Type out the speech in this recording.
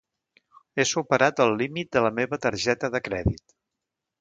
He superat el límit de la meva targeta de crèdit